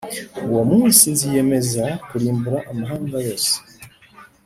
Uwo munsi nziyemeza kurimbura amahanga yose